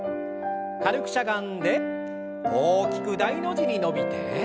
軽くしゃがんで大きく大の字に伸びて。